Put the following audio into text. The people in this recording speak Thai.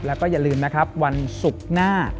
และก็อย่าลืมวันศุกร์หน้า